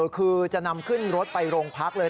คือจะนำขึ้นรถไปโรงพักเลย